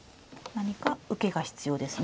何か受けが必要ですね。